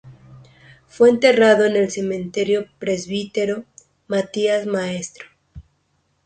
Fue enterrado en el Cementerio Presbítero Matías Maestro.